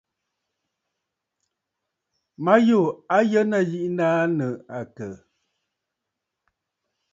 Ma yû a yə nɨ̂ yiʼi aa nɨ̂ àkə̀?